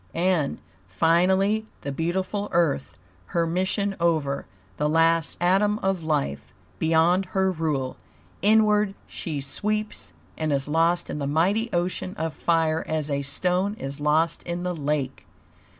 And, finally, the beautiful Earth, her mission over, the last atom of life beyond her rule, inward she sweeps, and is lost in the mighty ocean of fire as a stone is lost in the lake.